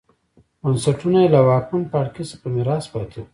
بنسټونه یې له واکمن پاړکي څخه په میراث پاتې وو